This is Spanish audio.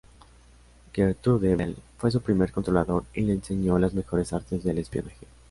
Gertrude Bell fue su primer controlador y le enseñó las mejores artes del espionaje.